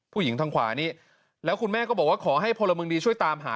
ทางขวานี้แล้วคุณแม่ก็บอกว่าขอให้พลเมืองดีช่วยตามหา